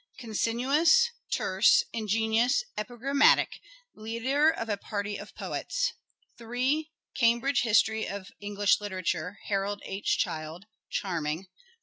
Concinnous, terse, ingenious, epigram matic— leader of a party of poets. 3. " Cambridge History of English Literature " (Harold H. Child). Charming.